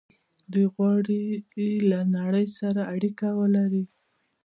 دوی غواړي له نړۍ سره اړیکه ولري.